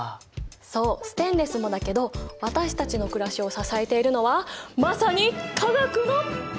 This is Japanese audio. そうステンレスもだけど私たちのくらしを支えているのはまさに化学の力！